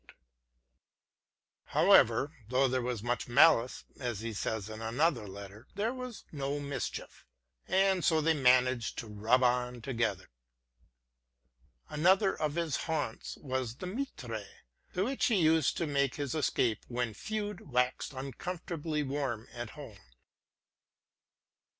t However, though there was much malice, as he says in another letter, there was no mischief — and so they managed to rub on together. Another of his haunts was the Mitre, to which he used to make his escape when feud waxed uncomfortably warm at home.